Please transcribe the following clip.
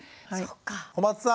小松さん。